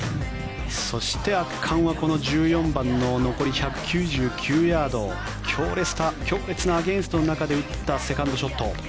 そして圧巻はこの１４番の残り１９９ヤード強烈なアゲンストの中で打ったセカンドショット。